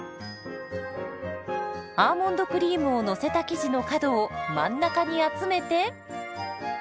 アーモンドクリームをのせた生地の角を真ん中に集めて。